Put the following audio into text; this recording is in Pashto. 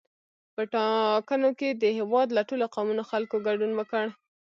په ټاکنو کې د هېواد له ټولو قومونو خلکو ګډون وکړ.